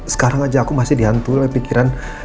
sekarang aja aku masih dihantui oleh pikiran